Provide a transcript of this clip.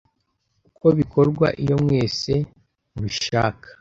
Uko bikorwa iyo mwese mubishaka